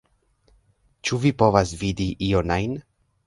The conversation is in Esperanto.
Ĉu vi povas vidi ion ajn?